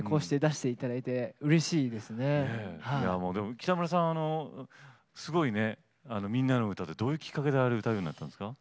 北村さんはあのすごいね「みんなのうた」でどういうきっかけであれ歌うようになったんですか？